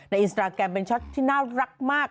อินสตราแกรมเป็นช็อตที่น่ารักมาก